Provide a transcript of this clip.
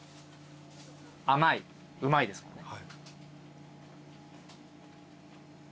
・甘いうまいですからね。